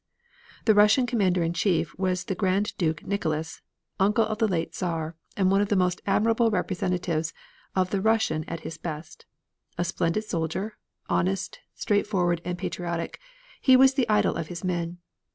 The Russian commander in chief was the Grand Duke Nicholas, uncle of the late Czar, and one of the most admirable representatives of the Russian at his best; a splendid soldier, honest, straightforward, and patriotic, he was the idol of his men.